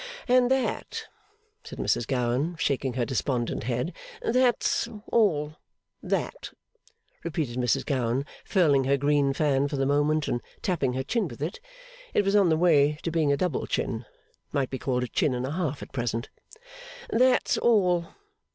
'And that,' said Mrs Gowan, shaking her despondent head, 'that's all. That,' repeated Mrs Gowan, furling her green fan for the moment, and tapping her chin with it (it was on the way to being a double chin; might be called a chin and a half at present), 'that's all!